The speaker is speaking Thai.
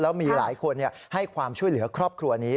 แล้วมีหลายคนให้ความช่วยเหลือครอบครัวนี้